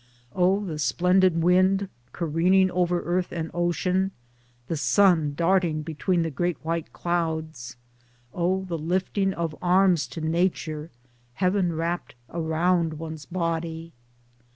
O the splendid wind careering over earth and ocean, the sun darting between the great white clouds ! O the lifting of arms to Nature — heaven wrapped around one's body